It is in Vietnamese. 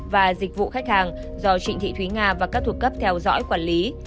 và dịch vụ khách hàng do trịnh thị thúy nga và các thuộc cấp theo dõi quản lý